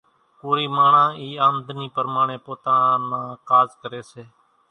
ڪورِي ماڻۿان اِي آمۮنِي پرماڻيَ پوتا نان ڪاز ڪريَ سي۔